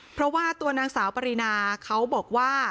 เพราะว่าตัวนางสาวปรินาเขาบอกว่า